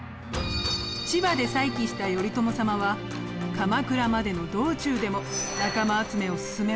千葉で再起した頼朝様は鎌倉までの道中でも仲間集めを進めました。